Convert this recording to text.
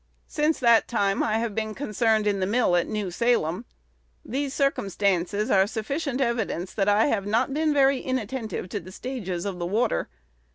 Since that time I have been concerned in the mill at New Salem. These circumstances are sufficient evidence that I have not been very inattentive to the stages of the water.